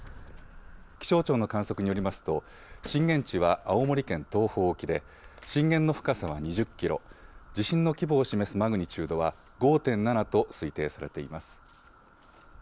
気象庁の観測によりますと震源地は青森県東方沖で震源の深さは２０キロ、地震の規模を示すマグニチュードは５．７と推定されています。